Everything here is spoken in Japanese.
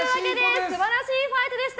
素晴らしいファイトでした。